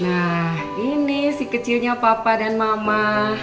nah ini si kecilnya papa dan mama